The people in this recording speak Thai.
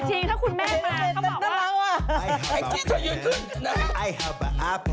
จริงถ้าคุณแม่มาเขาบอกว่า